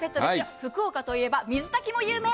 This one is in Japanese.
福岡といえば水炊きも有名。